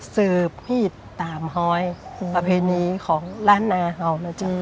สืบพี่ตามฮอยประเพณีของลาดนาหัว